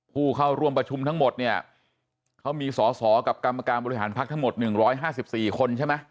ผู้เข้าร่วมประชุมทั้งหมดเนี่ยเขามีสอสอกับกรรมการบริหารพักทั้งหมด๑๕๔คนใช่ไหม